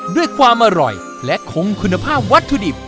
ด้วยความอร่อยและคงคุณภาพวัตถุดิบ